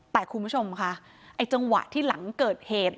แต่คุณผู้ชมค่ะไอ้จังหวะที่หลังเกิดเหตุ